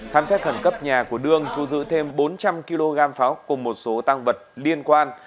thám xét khẩn cấp nhà của đương thu giữ thêm bốn trăm linh kg pháo cùng một số tăng vật liên quan